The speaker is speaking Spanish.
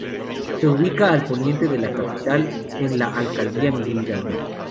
Se ubica al poniente de la capital, en la alcaldía Miguel Hidalgo.